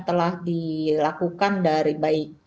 telah dilakukan dari baik